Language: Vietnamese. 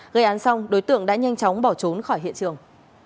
gây án xong đối tượng đã nhanh chóng bỏ trốn khỏi hiện trường